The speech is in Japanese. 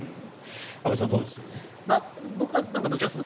安部さん、どうです？